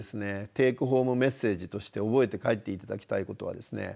テイクホームメッセージとして覚えて帰って頂きたいことはですね